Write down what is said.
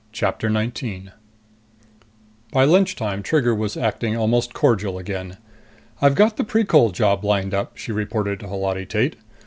"Just a little bit." 19 By lunchtime, Trigger was acting almost cordial again. "I've got the Precol job lined up," she reported to Holati Tate.